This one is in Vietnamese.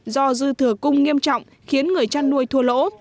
do dư thừa cung nghiêm trọng khiến người chăn nuôi thua lỗ